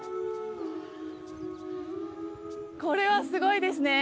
これはすごいですね！